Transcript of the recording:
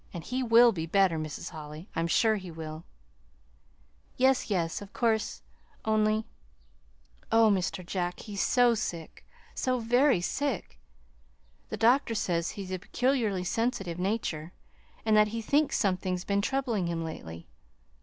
"And he will be better, Mrs. Holly, I'm sure he will." "Yes, yes, of course, only oh, Mr. Jack, he's so sick so very sick! The doctor says he's a peculiarly sensitive nature, and that he thinks something's been troubling him lately."